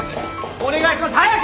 お願いします早く！